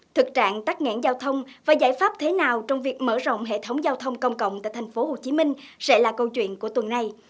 thực trạng tắt nhãn giao thông và giải pháp thế nào trong việc mở rộng hệ thống giao thông công cộng tại thành phố hồ chí minh sẽ là câu chuyện của tuần này